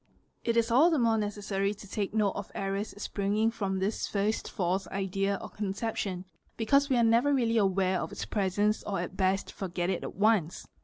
| q It is all the more necessary to take note of errors springing from thi first false idea or conception, because we are never really aware of it presence, or at best forget it at once.